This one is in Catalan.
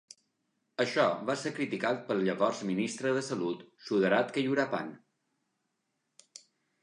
Això va ser criticat pel llavors ministre de Salut, Sudarat Keyuraphan.